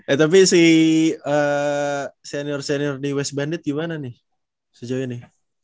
eh tapi si senior senior di west bandit gimana nih sejauh ini